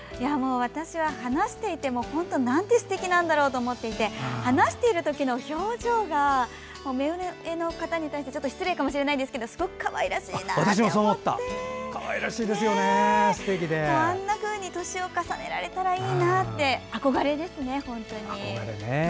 私は話していても本当になんてすてきなんだろうと思っていて話している時の表情が目上の方に対して失礼かもしれませんがすごくかわいらしいなって思ってあんなふうに年を重ねられたらいいなって憧れですね、本当に。